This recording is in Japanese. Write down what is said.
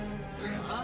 ああ？